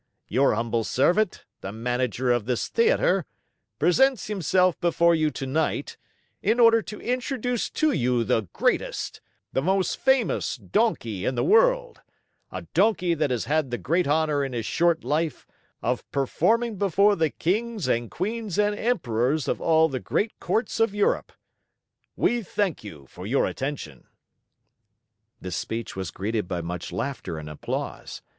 "Your humble servant, the Manager of this theater, presents himself before you tonight in order to introduce to you the greatest, the most famous Donkey in the world, a Donkey that has had the great honor in his short life of performing before the kings and queens and emperors of all the great courts of Europe. "We thank you for your attention!" This speech was greeted by much laughter and applause.